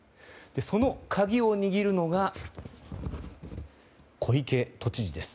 その鍵を握るのが小池都知事です。